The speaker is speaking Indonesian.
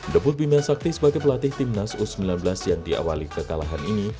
debut bimel sakti sebagai pelatih tim nas u sembilan belas yang diawali kekalahan ini